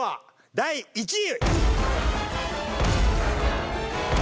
第１位！